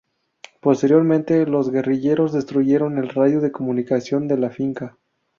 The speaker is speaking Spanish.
Posteriormente, los guerrilleros destruyeron el radio de comunicación de la finca.